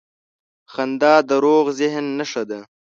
• خندا د روغ ذهن نښه ده.